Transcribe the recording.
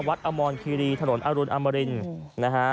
อมรคีรีถนนอรุณอมรินนะฮะ